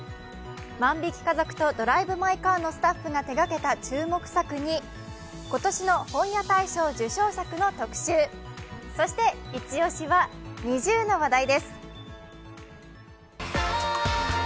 「万引き家族」と「ドライブ・マイ・カー」のスタッフが手がけた注目作に今年の本屋大賞作の特集、そしてイチ押しはＮｉｚｉＵの話題です